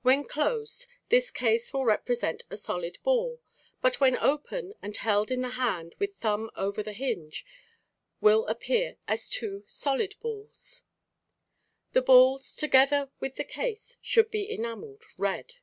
When closed this case will represent a solid ball, but when open and held in the hand with thumb over the hinge, will appear as two balls. The balls, together with the case, should be enameled red.